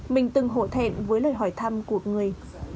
mình từng hộ thẹn với lời hỏi thăm của người